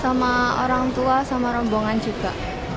sama orang tua sama rombongan juga